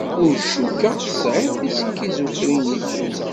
Ur cukkeɣ tesɛiḍ tiskizufrinit.